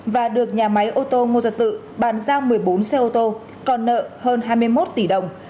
và được nhà máy ô tô ngô gia tự bàn giao một mươi bốn xe ô tô còn nợ hơn hai mươi một tỷ đồng